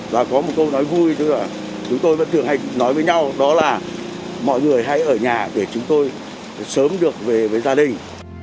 và có một câu nói vui chúng tôi vẫn thường nói với nhau đó là mọi người hãy ở nhà để chúng tôi sớm được về với gia đình